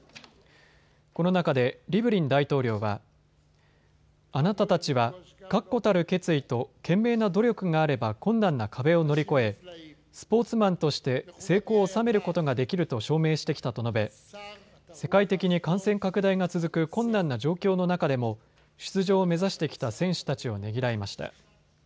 この中でリブリン大統領はあなたたちは確固たる決意と懸命な努力があれば困難な壁を乗り越えスポーツマンとして成功を収めることができると証明してきたと述べ、世界的に感染拡大が続く困難な状況の中でも出場を目指してきた選手たちをねぎらいました。